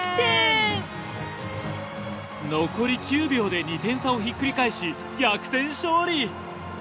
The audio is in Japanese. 残り９秒で２点差をひっくり返し逆転勝利！